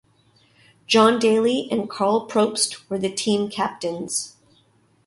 John Dailey and Carl Probst were the team captains.